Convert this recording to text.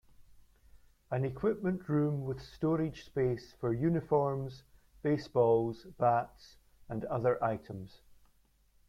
An equipment room with storage space for uniforms, baseballs, bats and other items.